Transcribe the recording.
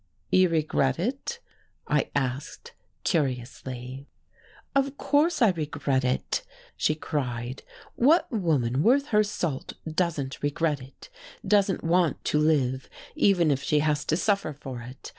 "You regret it?" I asked curiously. "Of course I regret it!" she cried. "What woman worth her salt doesn't regret it, doesn't want to live, even if she has to suffer for it?